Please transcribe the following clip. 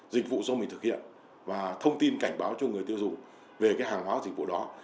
dịch vụ do mình thực hiện và thông tin cảnh báo cho người tiêu dùng về cái hàng hóa dịch vụ đó